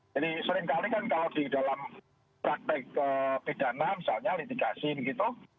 jadi seringkali kan kalau di dalam praktek pidana misalnya litigasi gitu